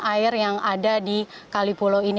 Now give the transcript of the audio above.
air yang ada di kali pulau ini